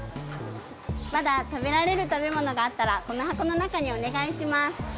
まだ食べられる食べ物があったらこのはこのなかにおねがいします！